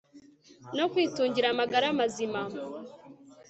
no kwitungira amagara mazima